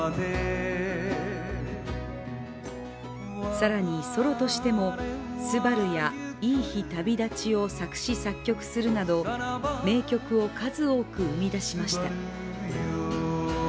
更にソロとしても、「昴−すばる−」や「いい日旅立ち」などを作詞・作曲するなど名曲を数多く生み出しました。